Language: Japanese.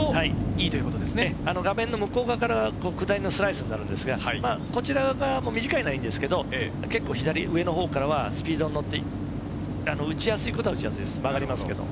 画面の向こう側から下りのスライスになるんですが、こちら側も短いラインですけど、左上のほうからはスピードにのって打ちやすいことは打ちやすいです。